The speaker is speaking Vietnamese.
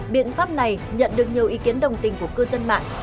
biện pháp này nhận được nhiều ý kiến đồng tình của cư dân mạng